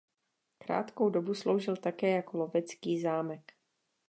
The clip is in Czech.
Krátkou dobu sloužil také jako lovecký zámek.